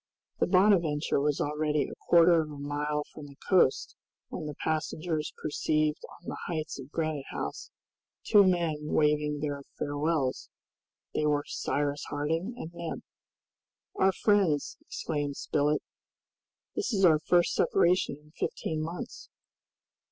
The "Bonadventure" was already a quarter of a mile from the coast when the passengers perceived on the heights of Granite House two men waving their farewells; they were Cyrus Harding and Neb. "Our friends," exclaimed Spilett, "this is our first separation in fifteen months."